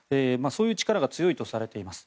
そういう力が強いとされています。